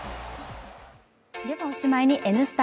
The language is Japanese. おしまいに「Ｎスタ」